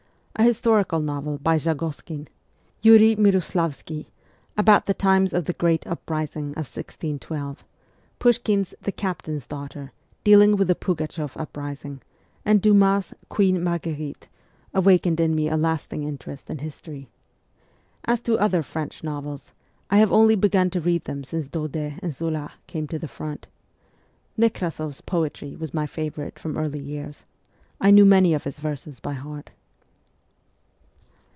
An historical novel by Zagoskin, ' Yiiriy Miloslavskiy,' about the times of the great uprising of 1612, Pushkin's ' The Captain's Daughter,' dealing with the Pugachoff uprising, and Dumas' ' Queen Marguerite ' awakened in me a lasting interest in history. As to other French novels, I have only begun to read them since Daudet and Zola came to the front. Nekrasoff's poetry was my favourite from early years : I knew many of his verses by heart.